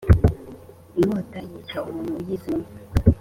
inkota yica umuntu uyizaniye